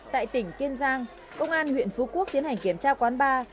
tại tỉnh kiên giang công an huyện phú quốc tiến hành kiểm tra quán bar